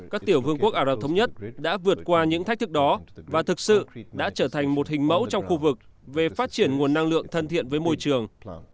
đã trở thành một hình mẫu trong khu vực về phát triển nguồn năng lượng thân thiện với môi trường